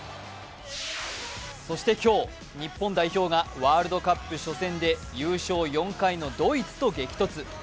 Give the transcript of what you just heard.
そして今日、日本代表がワールドカップ初戦で優勝４回のドイツと激突。